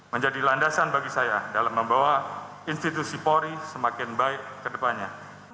menjadi landasan bagi saya dalam membawa institusi polri semakin baik ke depannya